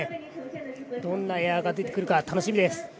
どんなエアが出てくるか楽しみです。